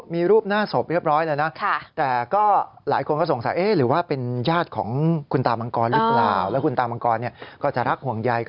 มีรูปหน้าศพเรียบร้อยแล้วนะ